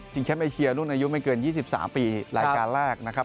แชมป์เอเชียรุ่นอายุไม่เกิน๒๓ปีรายการแรกนะครับ